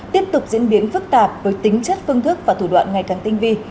tiếp tục diễn biến phức tạp với tính chất phương thức và thủ đoạn ngày càng tinh vi